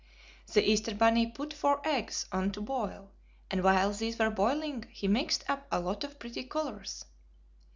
The Easter bunny put four eggs on to boil and while these were boiling he mixed up a lot of pretty colors.